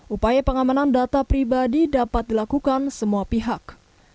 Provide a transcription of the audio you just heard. upaya pengamanan data pribadi dapat dilakukan semua pihak